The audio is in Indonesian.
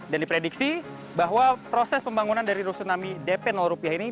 dan diprediksi bahwa proses pembangunan dari rusunami dp rupiah ini